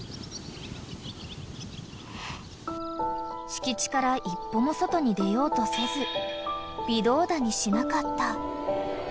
［敷地から一歩も外に出ようとせず微動だにしなかった］